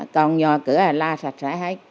còn nhò cửa là la sạch sẽ hết